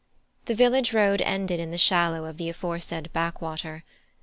The village road ended in the shallow of the aforesaid backwater.